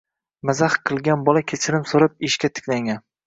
Mazah kilgan bola kechirim so'rab, ishga tiklangan.